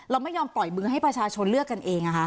เราไม่ยอมปล่อยมือให้ประชาชนเลือกกันเอง